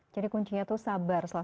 jadi kuncinya itu sabar